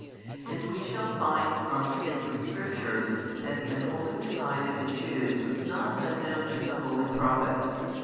And we shall find from the sacred Scriptures that the unholy design of the Jews was not unknown to the holy Prophets.